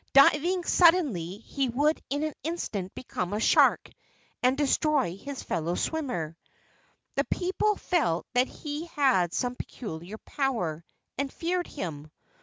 Diving sud¬ denly, he would in an instant become a shark and destroy his fellow swimmer. The people felt that he had some peculiar power, and feared him.